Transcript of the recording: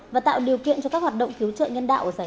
và tạo điều kiện cho các hoạt động